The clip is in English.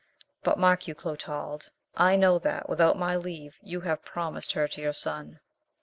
But, mark you, Clotald, I know that, without my leave, you have promised her to your son."